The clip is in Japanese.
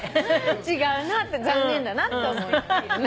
違うなって残念だなって思いながら。